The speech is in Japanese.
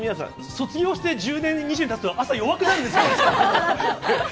卒業して１０年、２０年たつと、朝弱くないですか？